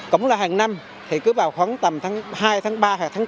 cũng là hàng năm thì cứ vào khoảng tầm tháng hai tháng ba hoặc tháng bốn